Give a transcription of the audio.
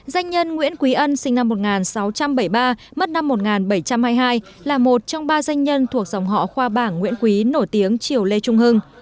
danh nhân nguyễn quý ân sinh năm một nghìn sáu trăm bảy mươi ba mất năm một nghìn bảy trăm hai mươi hai là một trong ba doanh nhân thuộc dòng họ khoa bảng nguyễn quý nổi tiếng triều lê trung hưng